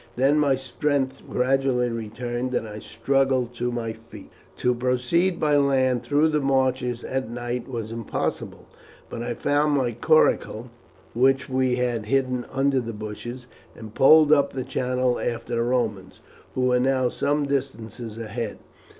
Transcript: Then my strength gradually returned and I struggled to my feet. "To proceed by land through the marshes at night was impossible, but I found my coracle, which we had hidden under the bushes, and poled up the channel after the Romans, who were now some distance ahead.